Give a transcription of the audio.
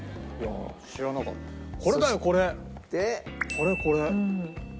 これこれ！